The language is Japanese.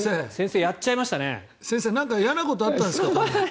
先生、何か嫌なことあったんですか？